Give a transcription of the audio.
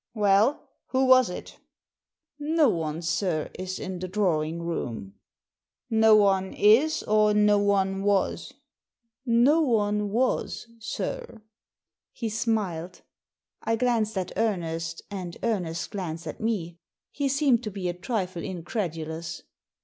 "Well, who was it?" No one, sir, is in the drawing room." No one is, or no one was ?"No one was, sir." He smiled. I glanced at Ernest, and Ernest glanced at me. He seemed to be a trifle incredulous.